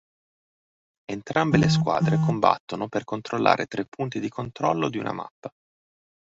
Entrambe le squadre combattono per controllare tre punti di controllo di una mappa.